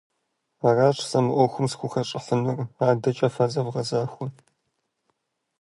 Аращ сэ мы ӏуэхум схухэщӏыхьынур, адэкӏэ фэ зэвгъэзахуэ.